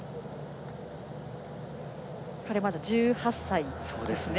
彼はまだ１８歳ですからね。